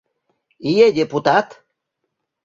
— Ие, депутат.